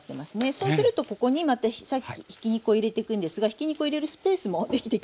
そうするとここにまたひき肉を入れていくんですがひき肉を入れるスペースも出来てきますよね。